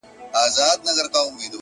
• نه یوه ګوله مړۍ کړه چا وروړاندي ,